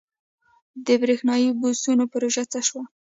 د بریښنايي بسونو پروژه څه شوه؟